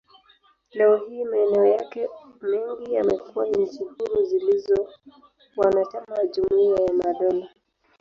Leo hii, maeneo yake mengi yamekuwa nchi huru zilizo wanachama wa Jumuiya ya Madola.